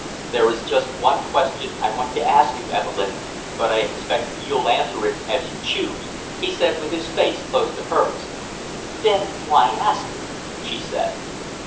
"There is just one question I want to ask you, Evelyn, but I expect you'll answer it as you choose," he said, with his face close to hers. "Then why ask it?" she said.